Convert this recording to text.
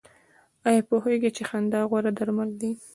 ایا پوهیږئ چې خندا غوره درمل ده؟